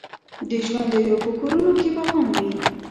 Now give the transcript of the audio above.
د ژوندیو په کورونو کي به غم وي